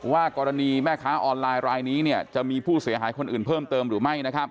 ว่ากรณีแม่ค้าออนไลน์รายนี้จะมีผู้เสียหายคนอื่นเพิ่มเติมหรือไม่